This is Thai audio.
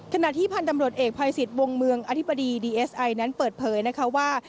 ขณะที่พันธ์ตำรวจเอกภัยสิทธิ์วงเมืองอธิบดีดีเอสไอนั้นเปิดเผยนะคะว่า